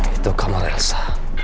itu kamar elsa